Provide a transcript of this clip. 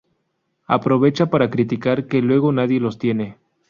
Aprovecha para criticar que luego nadie los entiende.